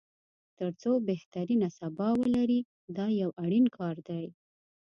تر څو بهترینه سبا ولري دا یو اړین کار دی.